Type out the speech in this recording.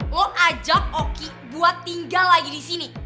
mau ajak oki buat tinggal lagi di sini